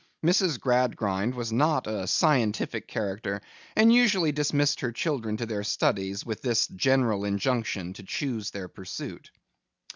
Mrs. Gradgrind was not a scientific character, and usually dismissed her children to their studies with this general injunction to choose their pursuit.